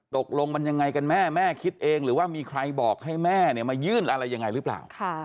ตกลงมันยังไงกันแม่แม่คิดเองหรือว่ามีใครบอกให้แม่มายื่นอะไรยังไงหรือเปล่า